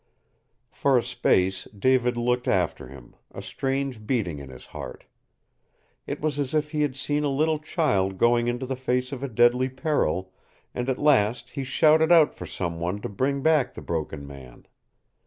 For a space David looked after him, a strange beating in his heart. It was as if he had seen a little child going into the face of a deadly peril, and at last he shouted out for some one to bring back the Broken Man.